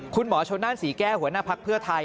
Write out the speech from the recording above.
คุณหมอโชนานศรีแก้หัวหน้าพักเพื่อไทย